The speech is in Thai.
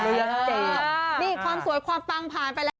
เรียบร้อยค่ะนี่ความสวยความปังพาไปแล้ว